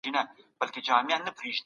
خلکو شکایت کاوه چي قحطي خپره سوي ده.